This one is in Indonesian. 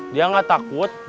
dia gak takut